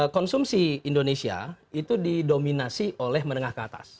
konsumsi indonesia itu didominasi oleh menengah ke atas